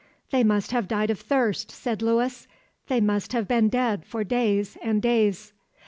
"They must have died of thirst," said Lewis. "They have been dead for days and days."